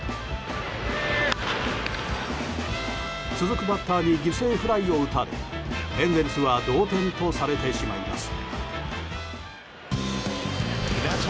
続くバッターに犠牲フライを打たれエンゼルスは同点とされてしまいます。